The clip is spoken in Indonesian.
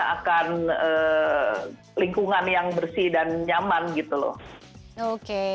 akan lingkungan yang bersih dan nyaman gitu loh